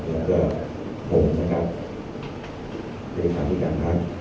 และก็ผมนะครับเป็นครับที่การพัก